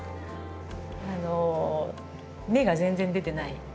あの芽が全然出てない。